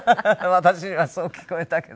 私にはそう聞こえたけど。